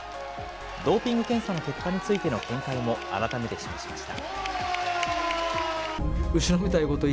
ドーピング検査の結果についての見解も改めて示しました。